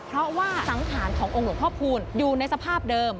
เพราะว่าสังขารขององค์หลวงพ่อคูณอยู่ในสภาพเดิม